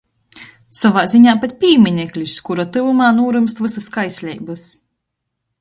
Sovā ziņā pat pīmineklis, kura tyvumā nūrymst vysys kaisleibys.